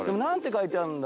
書いてるんだ？